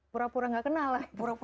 pura pura gak kenal